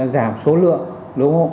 giảm số lượng